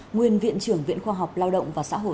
nguyên viện trưởng viện khoa học lao động và xã hội